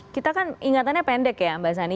kita kan ingatannya pendek ya mbak sani